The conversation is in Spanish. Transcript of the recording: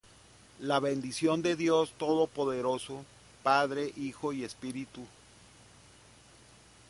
La bendición de Dios todopoderoso, Padre, Hijo y Espíritu